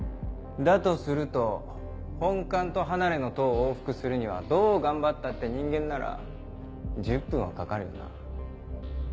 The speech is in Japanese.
だとすると本館と離れの塔を往復するにはどう頑張ったって人間なら１０分はかかるよな。